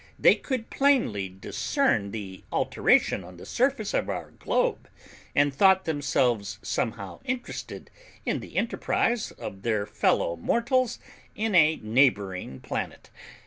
They could plainly discern the alteration on the surface of our globe, and thought themselves somehow interested in the enterprise of their fellow mortals in a neighbouring planet.